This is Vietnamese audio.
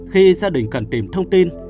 khi gia đình cần tìm thông tin